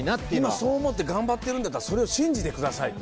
今そう思って頑張ってるんならそれを信じてくださいと。